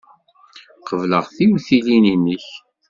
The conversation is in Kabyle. Qebleɣ tiwtilin-nnek.